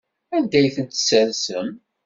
Anda ay tent-tessersem?